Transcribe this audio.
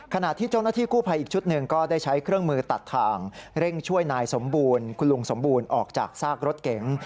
ขณะที่เจ้าหน้าที่กู้ภัยอีกชุดหนึ่งก็ได้ใช้เครื่องมือตัดทางเร่งช่วยนายสมบูรณ์คุณลุงสมบูรณ์ออกจากซากรถเก๋ง